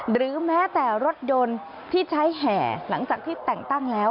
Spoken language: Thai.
หรือแม้แต่รถยนต์ที่ใช้แห่หลังจากที่แต่งตั้งแล้ว